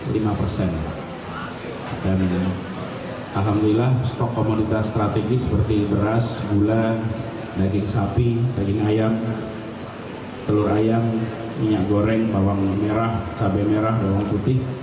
dan alhamdulillah stok komunitas strategis seperti beras gula daging sapi daging ayam telur ayam minyak goreng bawang merah cabai merah bawang putih